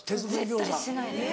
絶対しないです。